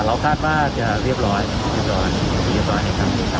เราคาดว่าจะเรียบร้อยเรียบร้อยครับ